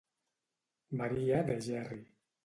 Maria de Gerri.